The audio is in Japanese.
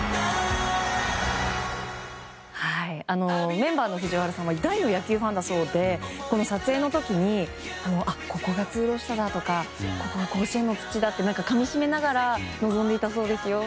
メンバーの藤原さんは大の野球ファンだそうでこの撮影の時にここが通路下だとかここが甲子園の土だとかかみしめながら臨んでいたそうです。